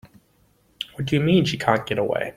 What do you mean she can't get away?